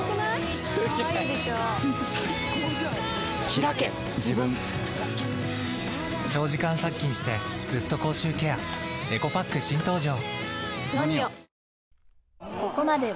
ひらけ自分長時間殺菌してずっと口臭ケアエコパック新登場！